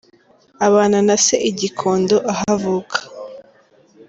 Abana na se i Gikondo, aho avuka.